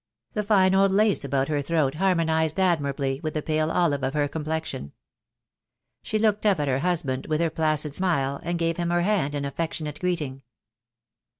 The fine old lace about her throat harmonised admirably with the pale olive of her complexion. She looked up at her husband with her placid smile, and gave him her hand in affectionate greeting.